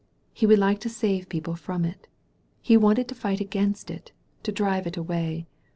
He would like to save pec^le from it. He wanted to fight against it, to drive it away.